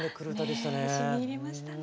しみいりましたね。